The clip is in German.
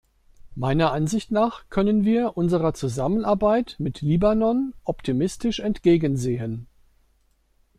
Meiner Ansicht nach können wir unserer Zusammenarbeit mit Libanon optimistisch entgegensehen.